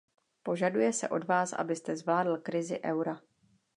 Požaduje se od vás, abyste zvládl krizi eura.